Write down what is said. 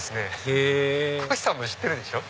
へぇこひさんも知ってるでしょ。